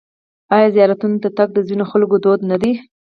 آیا زیارتونو ته تګ د ځینو خلکو دود نه دی؟